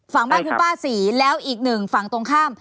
ฝั่งบ้านคือป้าศรีแล้วอีกหนึ่งฝั่งตรงข้าม